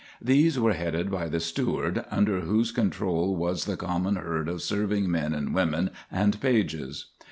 These were headed by the steward, under whose control was the common herd of serving men and women and pages.